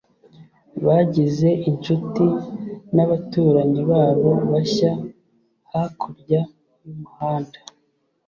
bagize inshuti nabaturanyi babo bashya hakurya y'umuhanda